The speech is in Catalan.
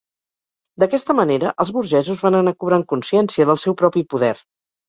D'aquesta manera, els burgesos van anar cobrant consciència del seu propi poder.